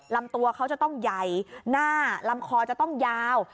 ลำตัวเขาจะต้องใหญ่หน้าลำคอจะต้องยาว